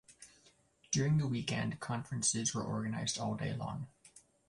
During the weekend, conferences were organized all day long.